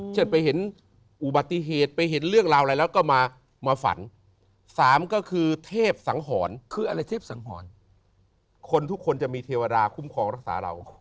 เช่นไปเห็นอุบัติเหตุไปเห็นเรื่องราวอะไรแล้วก็มาฝันสามก็คือเทพสังหรณ์คืออะไรเทพสังหรณ์คนทุกคนจะมีเทวดาคุ้มครองรักษาเรา